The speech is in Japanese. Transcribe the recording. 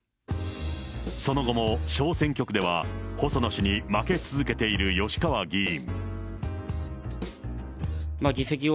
その後も小選挙区では細野氏に負け続けている吉川議員。